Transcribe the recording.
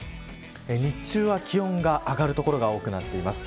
日中は気温が上がる所が多くなっています。